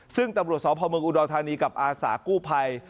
ซึ่งตำรวจสพเมืองอุดรธานีกับอาสากู้ภัย